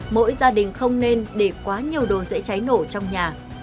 mỗi gia đình không nên để quá nhiều đồ dễ cháy nổ trong nhà